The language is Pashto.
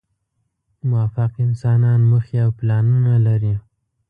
موفق انسانان موخې او پلانونه لري.